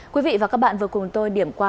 quý vị và các bạn vừa cùng tôi điểm qua